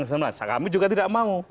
yang semuanya kami juga tidak mau